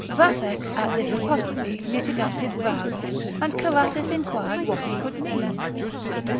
Vathek at this apostrophe knitted up his brows, and Carathis inquired what it could mean.